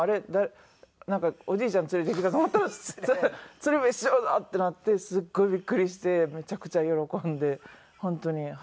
「なんかおじいちゃん連れてきた」と思ったら「鶴瓶師匠だ！」ってなってすごいびっくりしてめちゃくちゃ喜んで本当にはい。